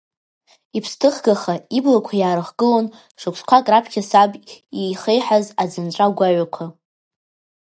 Иԥсҭыхгаха иблақәа иаарыхгылон шықәсқәак раԥхьа саб иеихеиҳаз аӡынҵәа гәаҩақәа.